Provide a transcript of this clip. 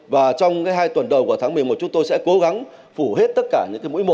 và trong cái hai tuần đầu của tháng một mươi một chúng tôi sẽ cố gắng phủ hết tất cả những cái mũi một